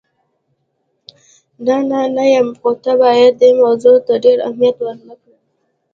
نه، نه یم، خو ته باید دې موضوع ته ډېر اهمیت ور نه کړې.